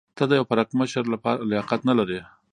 ته د یو پړکمشر لیاقت لا نه لرې.